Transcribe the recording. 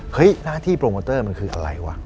หน้าที่โปรโมเตอร์มันคืออะไรวะ